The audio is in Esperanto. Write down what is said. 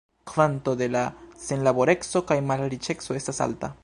Kvanto de la senlaboreco kaj malriĉeco estas alta.